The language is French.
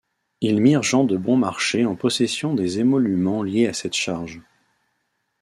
Ils mirent Jean de Bonmarché en possession des émoluments liés à cette charge.